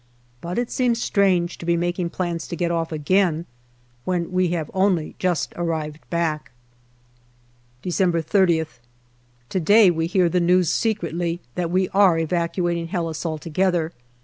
But it seems strange to be making plans to get off again, when we have only just arrived back. December SOth. To day we hear the news secretly that we are evacuating Helles altogether.